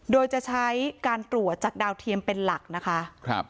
โดยจะใช้การตรวจจากดาวเทียมเป็นหลักนะคะ